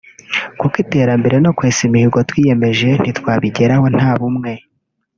kuko iterambere no kwesa imihigo twiyemeje ntitwabigeraho nta bumwe